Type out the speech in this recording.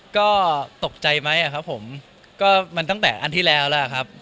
ก็ตกใจไหมครับผมก็มันตั้งแต่อันที่แล้วแล้วครับ